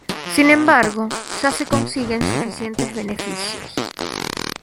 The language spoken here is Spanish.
Sin embargo, ya se consiguen suficientes beneficios.